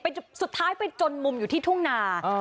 สุดท้ายไปจนมุมอยู่ที่ทุ่งนา